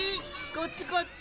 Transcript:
こっちこっち！